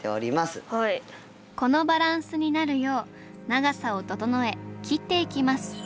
このバランスになるよう長さを整え切っていきます。